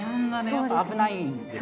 やっぱ危ないんですね。